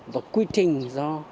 và quy trình do